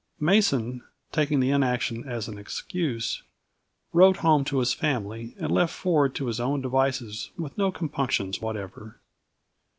Mason, taking the inaction as an excuse, rode home to his family and left Ford to his own devices with no compunctions whatever.